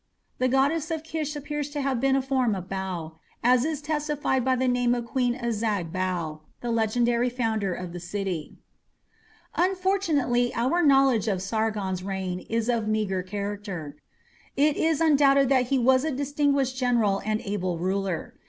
The goddess of Kish appears to have been a form of Bau, as is testified by the name of Queen Azag Bau, the legendary founder of the city. Unfortunately our knowledge of Sargon's reign is of meagre character. It is undoubted that he was a distinguished general and able ruler.